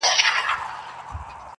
هر څه دروند او بې روحه ښکاري په کور کي,